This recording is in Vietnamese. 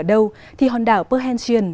ở đâu thì hòn đảo perhentian